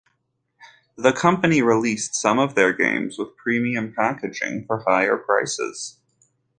The company released some of their games with premium packaging for higher prices.